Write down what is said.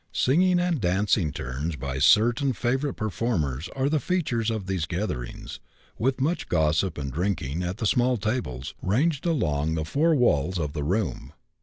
Singing and dancing turns by certain favorite performers are the features of these gatherings, with much gossip and drinking at the small tables ranged along the four walls of the room.